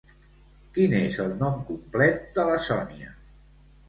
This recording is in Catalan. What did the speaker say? Quin és el nom complet de la Sonia?